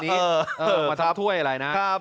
เติมถ้วยอะไรตอนนี้